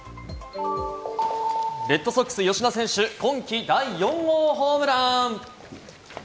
レッドソックス・吉田選手、今季第４号ホームラン！